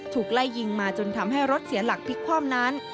ถูกไล่ยิงมาจนทำให้รถเสียหลักพลิกคว่ำนั้น